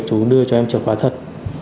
chú đưa cho em chìa khóa thật